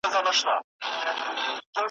دا دي كور دى دا دي اور ,